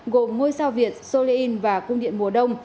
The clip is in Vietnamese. gồm ngôi sao việt soleil và cung điện mùa đông